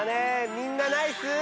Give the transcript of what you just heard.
みんなナイス。